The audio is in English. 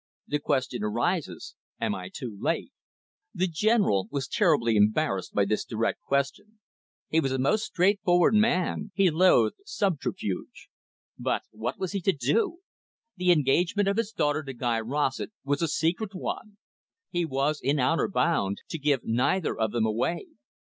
The question arises, am I too late?" The General was terribly embarrassed by this direct question. He was a most straightforward man, he loathed subterfuge. But what was he to do? The engagement of his daughter to Guy Rossett was a secret one. He was, in honour bound, to give neither of them away.